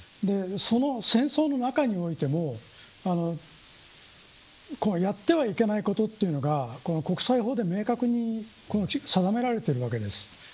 その戦争の中においてもやってはいけないことというのが国際法で明確に定められているわけです。